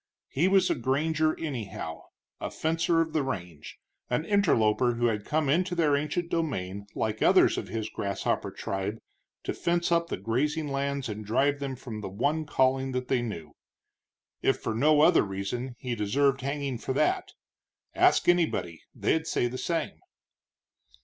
He was a granger, anyhow, a fencer of the range, an interloper who had come into their ancient domain like others of his grasshopper tribe to fence up the grazing lands and drive them from the one calling that they knew. If for no other reason, he deserved hanging for that. Ask anybody; they'd say the same.